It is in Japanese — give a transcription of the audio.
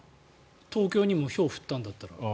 東京にもひょうが降ったんだったら。